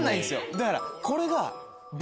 だからこれが。